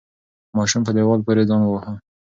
ماشوم په دیوال پورې ځان وواهه.